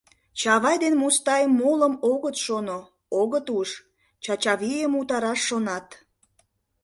Чавай ден Мустай молым огыт шоно, огыт уж, Чачавийым утараш шонат.